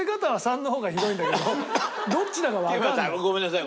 どっちだかわかんない。